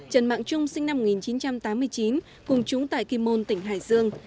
trần mạng trung sinh năm một nghìn chín trăm tám mươi chín cùng chúng tại kim môn tỉnh hải dương